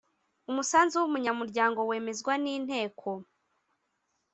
Umusanzu w umunyamuryango wemezwa ni inteko